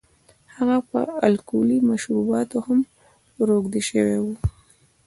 هغه په الکولي مشروباتو هم روږدی شوی و.